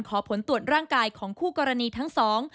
ขอผลตรวจร่างกายของคู่กรณีทั้งสอง